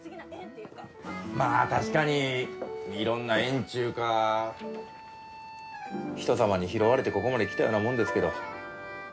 まあ確かにいろんな縁っちゅうかひとさまに拾われてここまで来たようなもんですけど。